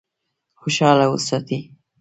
خوشاله وساتي.